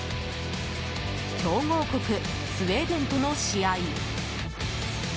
強豪国スウェーデンとの試合。